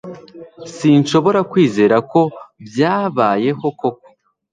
Sinshobora kwizera ko byabayeho koko